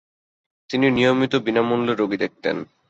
তিনি নিয়মিত বিনামূল্যে রোগী দেখতেন।